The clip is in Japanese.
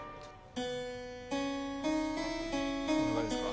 こんな感じですか？